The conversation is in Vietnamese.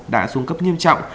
đã xuống cấp nghiêm trọng